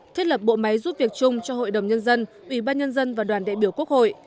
thiết lập bộ máy giúp việc chung cho hội đồng nhân dân ủy ban nhân dân và đoàn đại biểu quốc hội